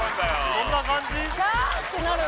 そんな感じ？